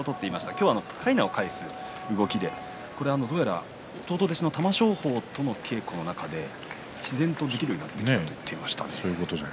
今日はかいなを返す動きで弟弟子の玉正鳳との稽古の中で自然とできるようになっていったと言っていました。